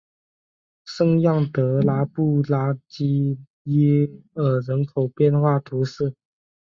圣让德拉布拉基耶尔人口变化图示